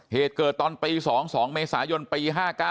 เหตุเกิดตอนปี๒๒เมษายนปี๕๙